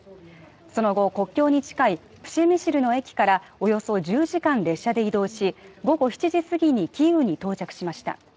その後、国境に近いプシェミシルの駅からおよそ１０時間列車で移動し午後７時すぎにキーウに到着しました。